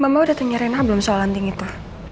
mama udah dengerin aku belum soal hunting itu